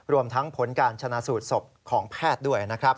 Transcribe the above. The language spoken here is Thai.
รวมทั้งผลการชนะสูตรศพของแพทย์ด้วยนะครับ